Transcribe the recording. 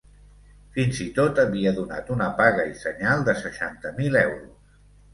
Fins i tot havia donat una paga i senyal de seixanta mil euros.